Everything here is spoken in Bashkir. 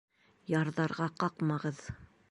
Ярҙарға ҡаҡмағыҙ!..